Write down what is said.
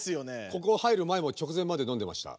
ここ入る前も直前までのんでました。